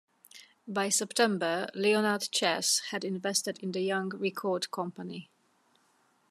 By September Leonard Chess had invested in the young record company.